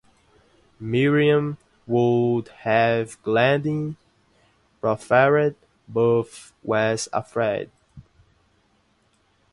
Miriam would have gladly proffered, but was afraid.